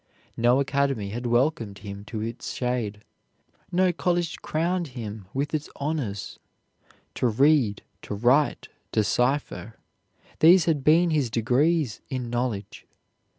No academy had welcomed him to its shade, no college crowned him with its honors; to read, to write, to cipher these had been his degrees in knowledge.